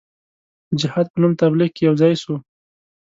د جهاد په نوم تبلیغ کې یو ځای سو.